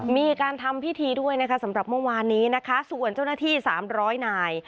มีการทำพิธีด้วยนะคะสำหรับเมื่อวานนี้นะคะส่วนเจ้าหน้าที่๓๐๐นาย